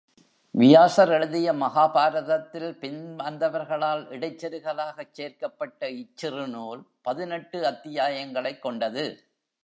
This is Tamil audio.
வியாசர் எழுதிய மகாபாரதத்தில் பின்வந்தவர்களால் இடைச்செருகலாகச் சேர்க்கப்பட்ட இச்சிறு நூல் பதினெட்டு அத்தியாயங்களைக் கொண்டது.